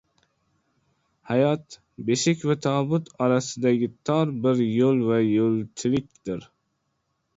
Hayot — beshik va tobut orasidagi tor bir yo‘l va yo‘lchilikdir.